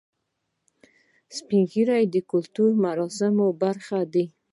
سپین ږیری د کلتوري مراسمو برخه دي